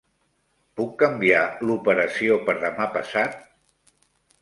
Puc canviar l'operació per demà passat?